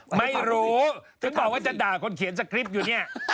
ไม่รู้ถึงบอกว่าจะด่าคนเขียนสคริปต์อยู่เนี่ย